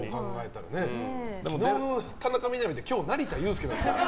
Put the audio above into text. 昨日が田中みな実で今日、成田悠輔なんですから。